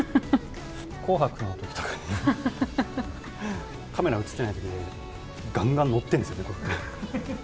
紅白のときとかに、カメラ映ってないときで、がんがん乗ってるんですよね、こうやって。